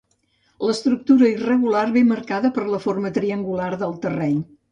L'estructura irregular ve marcada per la forma triangular del terreny.